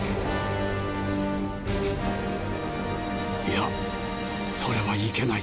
いやそれはいけない。